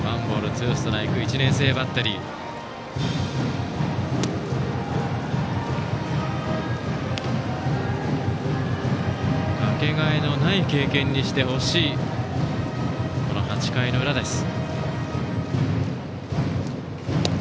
かけがえのない経験にしてほしいこの８回の裏です。